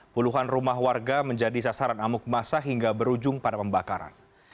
puluhan rumah warga menjadi sasaran amuk masa hingga berujung pada pembakaran